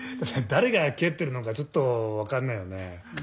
ただだれがけってるのかちょっとわかんないよね。